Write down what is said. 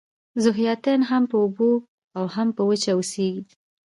ذوحیاتین هم په اوبو او هم په وچه اوسیږي